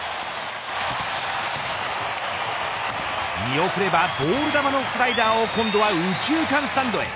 見送ればボール球のスライダーを今度は右中間スタンドへ。